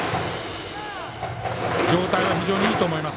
状態は非常にいいと思います。